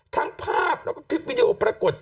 ทั้งภาพแล้วก็คลิปวิดีโอปรากฏ